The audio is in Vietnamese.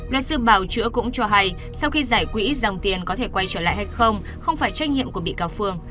luật sư bảo chữa cũng cho hay sau khi giải quỹ dòng tiền có thể quay trở lại hay không không phải trách nhiệm của bị cáo phương